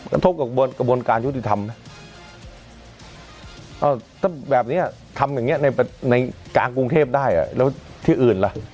กระทบกับกระบวนการยุติธรรมนะถ้าแบบนี้ทำอย่างนี้ในกลางกรุงเทพได้แล้วที่อื่นล่ะ